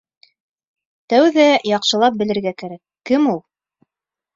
Тәүҙә яҡшылап белергә кәрәк, кем ул?